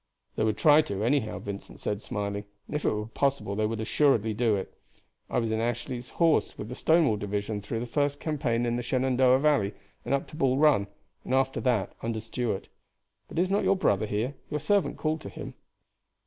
"They would try to, anyhow," Vincent said, smiling, "and if it were possible they would assuredly do it. I was in Ashley's horse with the Stonewall division through the first campaign in the Shenandoah Valley and up to Bull Run, and after that under Stuart. But is not your brother here? Your servant called to him."